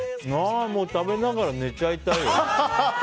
食べながら寝ちゃいたい。